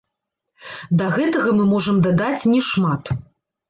Да гэтага мы можам дадаць не шмат.